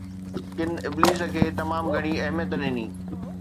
ڪن ابليس کي تمام گهڻي اهميت ڏني